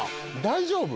大丈夫？